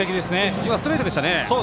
今はストレートでしたね。